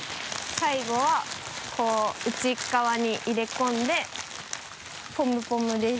最後はこう内側に入れ込んでぽむぽむです。